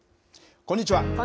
こんにちは。